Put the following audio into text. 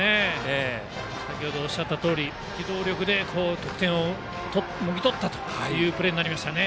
先程おっしゃったとおり機動力で得点をもぎ取ったというプレーになりましたね。